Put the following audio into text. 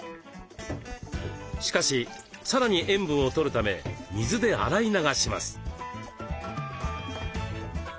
しかしさらに塩分を取るため水で洗い流します。